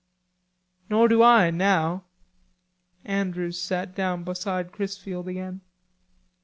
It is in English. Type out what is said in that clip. "Nor do I, now." Andrews sat down beside Chrisfield again.